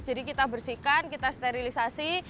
jadi kita bersihkan kita sterilisasi